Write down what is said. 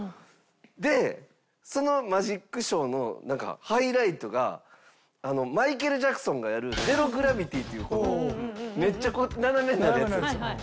でそのマジックショーのなんかハイライトがマイケル・ジャクソンがやるゼロ・グラビティっていうめっちゃこうやって斜めになるやつなんですよ。